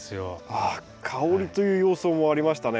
あっ香りという要素もありましたね。